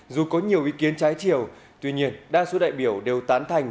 dù có nhiều ý kiến trái chiều tuy nhiên đa số đại biểu đều tán thành